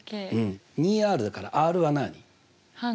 ２ＲだからＲは何？